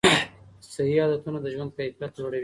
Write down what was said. صحي عادتونه د ژوند کیفیت لوړوي.